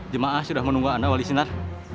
jemaah sudah menunggu anda wali sinar